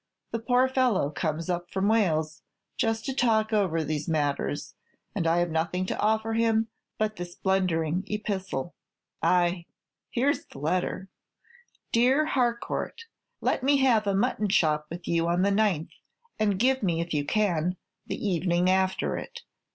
The poor fellow comes up from Wales, just to talk over these matters, and I have nothing to offer him but this blundering epistle. Ay, here 's the letter: "Dear Harcourt, Let me have a mutton chop with you on the ninth, and give me, if you can, the evening after it.